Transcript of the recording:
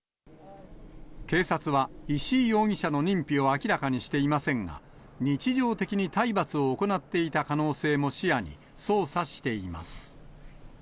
警察は、石井容疑者の認否を明らかにしていませんが、日常的に体罰を行っていた可能性も視野に、捜査しています。